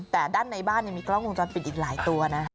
แต่ด้านในบ้านยังมีกล้องวงจรปิดอีกหลายตัวนะ